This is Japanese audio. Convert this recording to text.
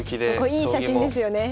いい写真ですよね。